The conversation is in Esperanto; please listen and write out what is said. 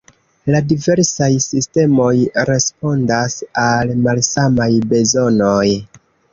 La diversaj sistemoj respondas al malsamaj bezonoj.